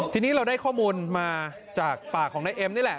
ทีนี้เราได้ข้อมูลมาจากปากของนายเอ็มนี่แหละ